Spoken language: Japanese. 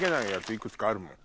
幾つかあるもん。